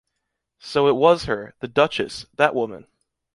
So it was her! The Duchess! That woman!